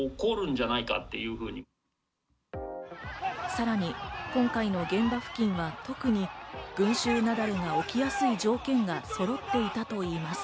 さらに今回の現場付近は、特に群集雪崩が起きやすい条件がそろっていたといいます。